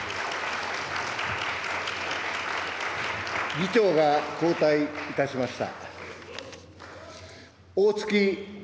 議長が交代いたしました。